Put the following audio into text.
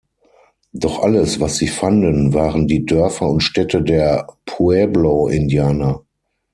Doch alles, was sie fanden, waren die Dörfer und Städte der Pueblo-Indianer.